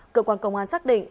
cơ quan công an xác định